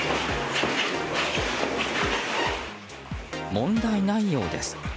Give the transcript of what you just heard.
問題ないようです。